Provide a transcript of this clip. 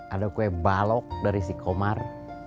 ada kue balok dari si komar